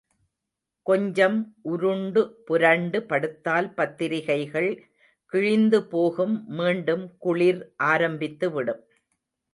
கொஞ்சம் உருண்டு புரண்டு படுத்தால் பத்திரிகைகள் கிழிந்துபோகும் மீண்டும் குளிர் ஆரம்பித்துவிடும்.